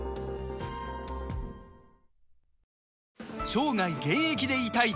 生涯現役でいたい！